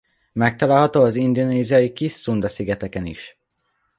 Megtalálható az indonéziai Kis-Szunda-szigeteken is.